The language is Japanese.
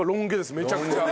めちゃくちゃ。